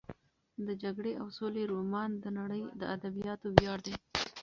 د جګړې او سولې رومان د نړۍ د ادبیاتو ویاړ دی.